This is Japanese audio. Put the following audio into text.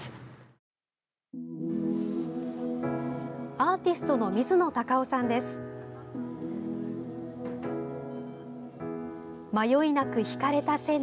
アーティストの水野貴男さんです。